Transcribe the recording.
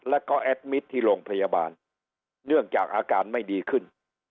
แล้วก็แอดมิตรที่โรงพยาบาลเนื่องจากอาการไม่ดีขึ้น